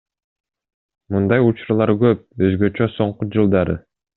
Мындай учурлар көп, өзгөчө соңку жылдары.